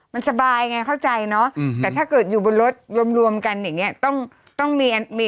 มันสบายไงเข้าใจเนอะแต่ถ้าเกิดอยู่บนรถรวมกันอย่างนี้